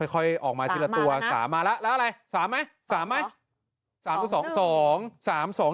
ค่อยออกมาทีละตัว๓มาแล้วแล้วอะไร๓ไหม๓ไหม